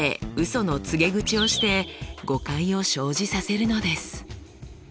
その告げ口をして誤解を生じさせるのです。